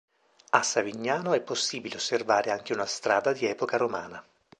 A Savignano è possibile osservare anche una strada di epoca romana.